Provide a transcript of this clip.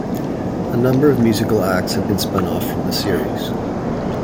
A number of musical acts have been spun off from the series.